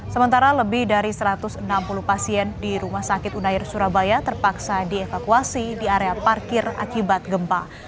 sementara lebih dari satu ratus enam puluh pasien di rumah sakit unair surabaya terpaksa dievakuasi di area parkir akibat gempa